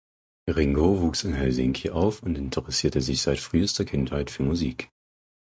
Ringo wuchs in Helsinki auf und interessierte sich seit frühester Kindheit für Musik.